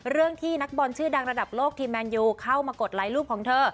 เรื่องที่นักบอลชื่อดังระดับโลกทีมแมนยูเข้ามากดไลค์รูปของเธอ